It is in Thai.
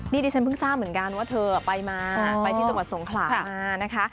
นี่ดิฉันเพิ่งทราบเหมือนกันว่าเธอไปมาไปที่จังหวัดสงขลามานะคะ